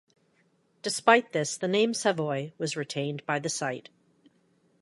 Despite this, the name Savoy was retained by the site.